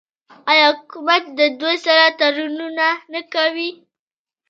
آیا حکومت له دوی سره تړونونه نه کوي؟